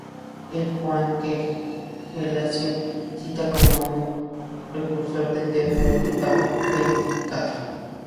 El "Juan", que Gelasio cita como un precursor de Teodoreto, tampoco fue identificado.